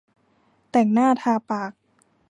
แต่งหน้าทาปาก